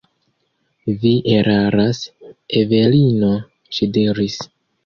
Vi eraras, Evelino, ŝi diris.